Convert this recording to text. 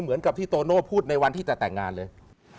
เหมือนกับที่โตโน่พูดในวันที่จะแต่งงานเลย